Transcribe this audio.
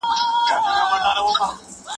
ډېرو ړندو سړيو باید په ګڼ ځای کي ږیري خريلي وای.